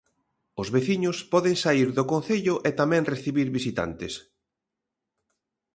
Os veciños poden saír do concello e tamén recibir visitantes.